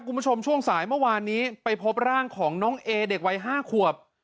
คุณผู้ชมช่วงสายเมื่อวานนี้ไปพบร่างของน้องเอเด็กวัย๕ขวบ